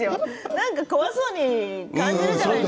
なんか怖そうに感じるじゃないですか。